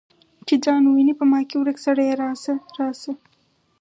چې ځان وویني په ما کې ورک سړیه راشه، راشه